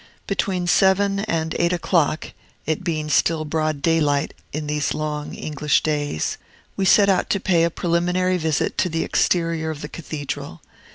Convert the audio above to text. Between seven and eight o'clock (it being still broad daylight in these long English days) we set out to pay a preliminary visit to the exterior of the Cathedral.